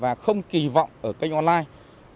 và không kì vọng ở kênh online